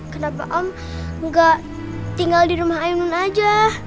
kenapa om gak tinggal di rumah ainun aja